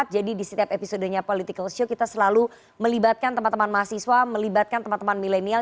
di setiap episodenya political show kita selalu melibatkan teman teman mahasiswa melibatkan teman teman milenial